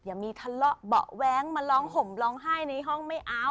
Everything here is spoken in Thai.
อย่ามีทะเลาะเบาะแว้งมาร้องห่มร้องไห้ในห้องไม่เอา